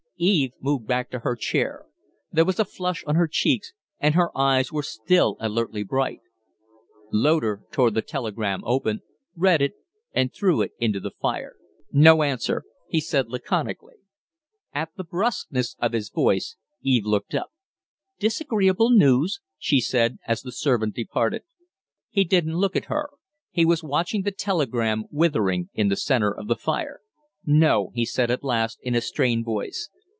Eve moved back to her chair. There was a flush on her cheeks and her eyes were still alertly bright. Loder tore the telegram open, read it, then threw it Into the fire. "No answer!" he said, laconically. At the brusqueness of his voice, Eve looked up. "Disagreeable news?" she said, as the servant departed. He didn't look at her. He was watching the telegram withering in the centre of the fire. "No," he said at last, in a strained voice.